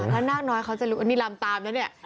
ถ้านาคน้อยเขาจะรู้อันนี้รำตามแล้วนี่